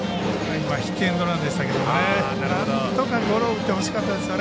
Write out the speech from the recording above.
今ヒットエンドランでしたけどなんとかゴロを打ってほしかったですね